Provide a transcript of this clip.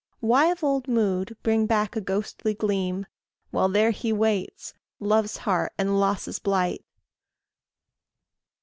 Why of old mood bring back a ghostly gleam While there He waits, love's heart and loss's blight!